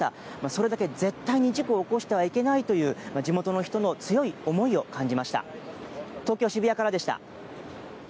それだけ絶対に事故を起こしてはいけないという地元の人の強い思いを感じました。